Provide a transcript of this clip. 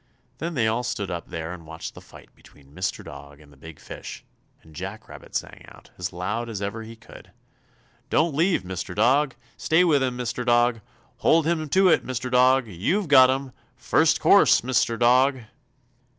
Then they all stood up there and watched the fight between Mr. Dog and the big fish, and Jack Rabbit sang out, as loud as ever he could: "Don't leave, Mr. Dog! Stay with him, Mr. Dog! Hold him to it, Mr. Dog; you've got him! First course, Mr. Dog!"